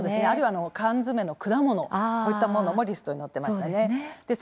あるいは缶詰の果物こういったものもリストに載っていました。